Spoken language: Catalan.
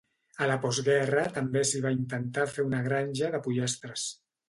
A la postguerra també s'hi va intentar fer una granja de pollastres.